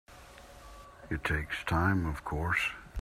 It takes time of course.